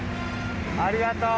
ありがとう。